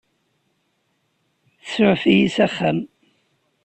Tsuɛef-iyi s axxam.